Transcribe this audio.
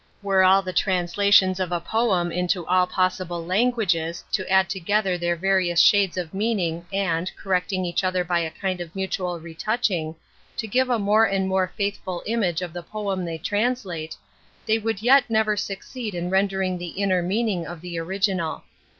Were all the translations of a poem into all possible languages to add together their various shades of meaning and, correcting each other by a kind of mutual retouching, to give a more and more faithful image of the poem they translate, they would yet never succeed in rendering the inner mean ing of the original.